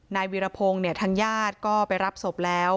วีรพงศ์เนี่ยทางญาติก็ไปรับศพแล้ว